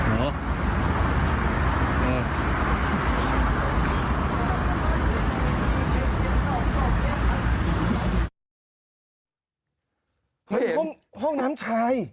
เฮ้ยห้องน้ำชาย